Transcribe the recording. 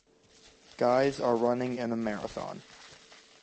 Guys are running in a marathon.